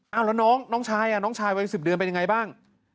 เอาละน้องชายวัย๑๐เดือนเป็นอย่างไรบ้าง